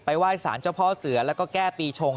ไหว้สารเจ้าพ่อเสือแล้วก็แก้ปีชง